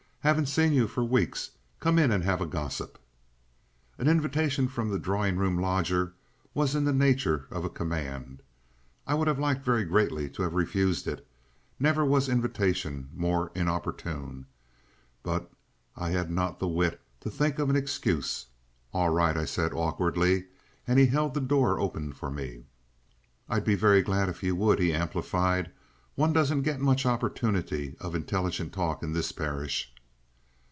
"Haven't seen you for weeks! Come in and have a gossip." An invitation from the drawing room lodger was in the nature of a command. I would have liked very greatly to have refused it, never was invitation more inopportune, but I had not the wit to think of an excuse. "All right," I said awkwardly, and he held the door open for me. "I'd be very glad if you would," he amplified. "One doesn't get much opportunity of intelligent talk in this parish."